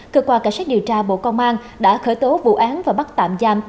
cơ quan cảnh sát điều tra bộ công an đã khởi tố vụ án và bắt tạm giam